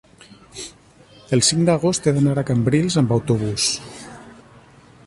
el cinc d'agost he d'anar a Cambrils amb autobús.